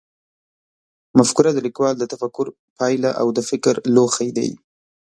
مفکوره د لیکوال د تفکر پایله او د فکر لوښی دی.